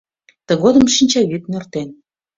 Тыгодым шинчавӱд нӧртен.